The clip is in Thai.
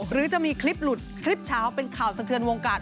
หรือจะมีคลิปหลุดคลิปเช้าเป็นข่าวสะเทือนวงการ